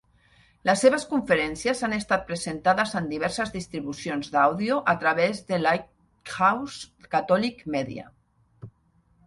Les seves conferències han estat presentades en diverses distribucions d'àudio a través de Lighthouse Catholic Media.